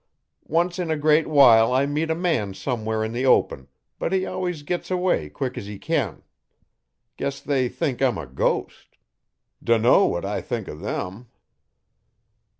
Once in a great while I meet a man somewhere in the open but he always gits away quick as he can. Guess they think I'm a ghost dunno what I think o' them.'